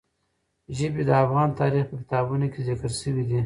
ژبې د افغان تاریخ په کتابونو کې ذکر شوي دي.